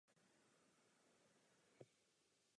Její rozsudek byl jako jediné změněn na doživotní nucené práce.